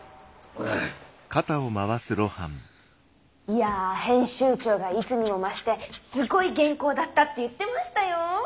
いや編集長がいつにも増してすごい原稿だったって言ってましたよォ。